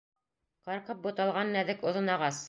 Ҡырҡып боталған нәҙек оҙон ағас.